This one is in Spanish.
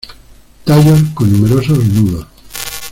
Tallos con numerosos nudos.